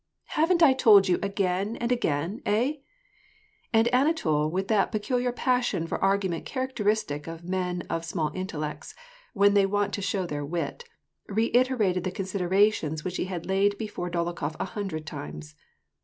" Haven't I told you again and again ? Hey ?" And Anatol, with that peculiar passion for argument characteristic of men of small intellects, when they want to show their wit, reiterated the considerations which he had laid before Dolokhof a hundred times.